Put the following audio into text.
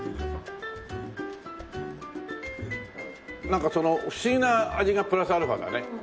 なんかその不思議な味がプラスアルファだね。